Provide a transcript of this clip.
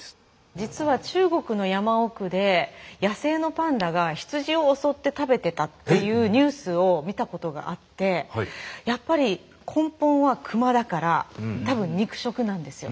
実は中国の山奥で野生のパンダがヒツジを襲って食べてたっていうニュースを見たことがあってやっぱり根本はクマだから多分肉食なんですよ。